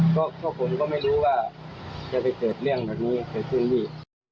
ก็ช่วงผมก็ไม่รู้ว่าจะไปเกิดเรื่องแบบนี้เกิดขึ้นดี